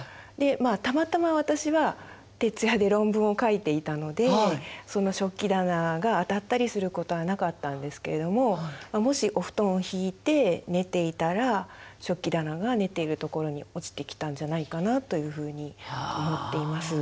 たまたま私は徹夜で論文を書いていたのでその食器棚が当たったりすることはなかったんですけれどももしお布団を敷いて寝ていたら食器棚が寝ているところに落ちてきたんじゃないかなというふうに思っています。